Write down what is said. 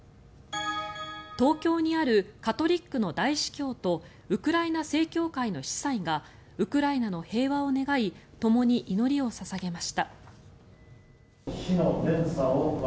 東京にあるカトリックの大司教とウクライナ正教会の司祭がウクライナの平和を願いともに祈りを捧げました。